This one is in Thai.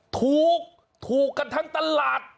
ถูกถูกกันทั้งตลาด